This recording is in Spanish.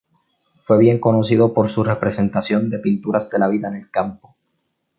Fue bien conocido por su representación de pinturas de la vida en el campo.